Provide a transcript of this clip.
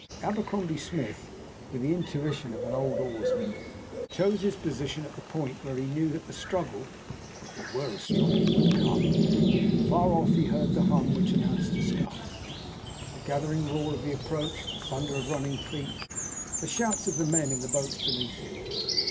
Abercrombie Smith, with the intuition of an old oarsman, chose his position at the point where he knew that the struggle, if there were a struggle, would come. Far off he heard the hum which announced the start, the gathering roar of the approach, the thunder of running feet, and the shouts of the men in the boats beneath him.